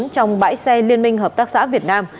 trong bãi xe liên minh hợp tác xã việt nam